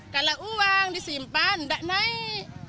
kalau uang disimpan tidak naik